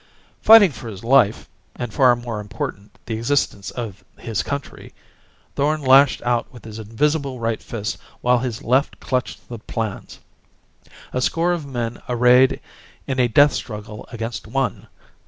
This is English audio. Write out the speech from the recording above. Fighting for his life and, far more important, the existence of his country Thorn lashed out with his invisible right fist while his left clutched the plans. A score of men arrayed in a death struggle against one!